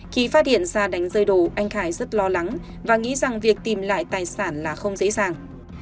khi phát hiện ra đánh rơi đồ anh khải rất lo lắng và nghĩ rằng việc tìm lại tài sản là không dễ dàng